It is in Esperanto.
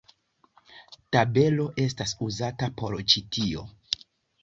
Tabelo estas uzata por ĉi tio.